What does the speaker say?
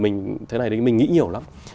mình thế này mình nghĩ nhiều lắm